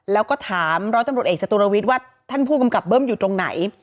แล้วก็ถามร้อยตำรวจเอกจตุรวิทย์ว่าท่านผู้กำกับเบิ้มอยู่ตรงไหน